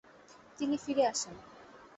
তিনি ফিরে আসেন।